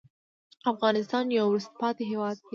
افغانستان یو وروسته پاتې هېواد دی.